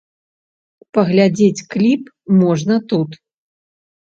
Паглядзець кліп можна тут.